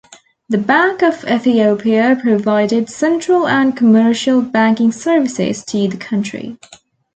The Bank of Ethiopia provided central and commercial banking services to the country.